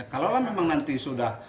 kalau memang nanti sudah